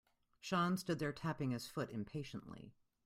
Sean stood there tapping his foot impatiently.